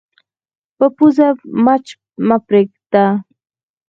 په پوزې مچ مه پرېږده